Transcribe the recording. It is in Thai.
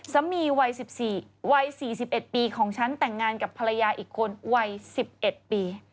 สามีวัย๑๔วัย๔๑ปีของฉันแต่งงานกับภรรยาอีกคนวัย๑๑ปี